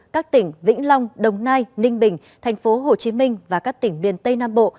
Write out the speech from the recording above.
các tỉnh vĩnh long đồng nai ninh bình thành phố hồ chí minh và các tỉnh miền tây nam bộ